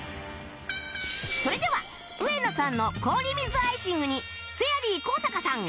それでは植野さんの氷水アイシングにフェアリー高坂さん